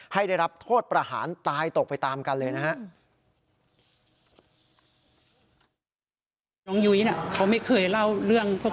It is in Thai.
ให้ได้รับโทษประหารตายตกไปตามกันเลยนะฮะ